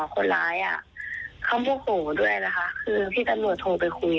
คนร้ายอ่ะเขาโมโหด้วยนะคะคือพี่ตำรวจโทรไปคุย